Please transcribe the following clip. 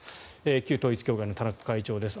旧統一教会の田中会長です。